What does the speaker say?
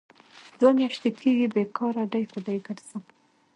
دوه میاشې کېږي بې کاره ډۍ په ډۍ کرځم.